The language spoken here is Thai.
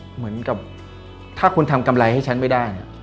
เหมือนกับถ้าคุณทำกำไรให้ฉันไม่ได้เนี่ย